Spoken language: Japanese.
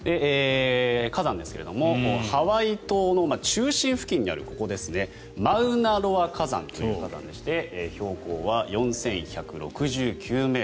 火山ですがハワイ島の中心付近にあるマウナロア火山という火山でして標高は４１６９ｍ。